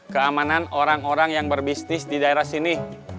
keamanan orang orang yang berbisnis di daerah sini